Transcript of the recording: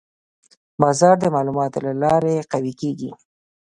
بازار د معلوماتو له لارې قوي کېږي.